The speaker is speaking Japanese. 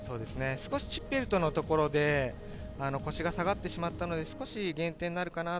少しティッペルトのところで腰が下がってしまったので、少し減点があるかな？